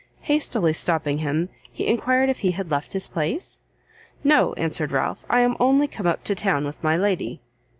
Hastily stopping him, he enquired if he had left his place? "No," answered Ralph, "I am only come up to town with my lady."